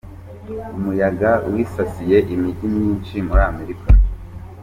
Umuyaga wisasiye imijyi myinshi muramerica